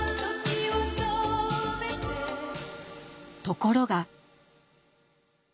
ところが。